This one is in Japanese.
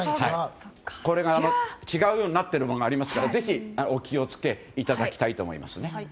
これが違うようになっているものがありますからぜひお気を付けいただきたいと思います。